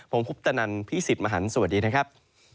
ผมคุปตนันพี่สิทธิ์มหันฯสวัสดีนะครับ